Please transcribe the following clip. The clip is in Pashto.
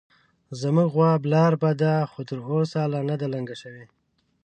زموږ غوا برالبه ده، خو تر اوسه لا نه ده لنګه شوې